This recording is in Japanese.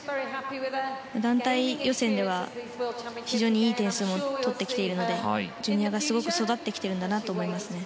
団体予選では非常にいい点数を取ってきているのでジュニアが育ってきているんだと思います。